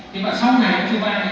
thế mà sau này ông chúa ba